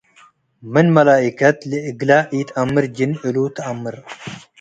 . ምን መላኢከት ለእግለ ኢተአምር ጅን እሉ ተአምር፣